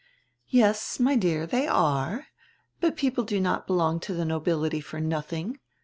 "Yes, my dear, diey are. But people do not belong to die nobility for nothing.